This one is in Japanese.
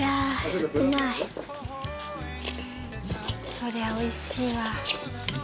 そりゃ美味しいわ。